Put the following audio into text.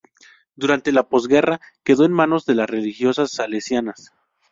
Durante la postguerra quedó en manos de religiosas Salesianas.